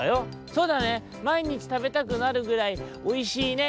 「そうだねまいにちたべたくなるぐらいおいしいね！」。